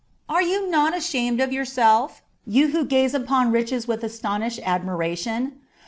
Are yon not ashamed of yourself, you who gaze upon riches with astonished admiration